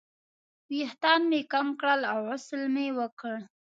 ویښتان مې کم کړل او غسل مې وکړ.